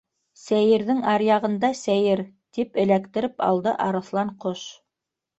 —Сәйерҙең аръяғында сәйер! —тип эләктереп алды Арыҫланҡош.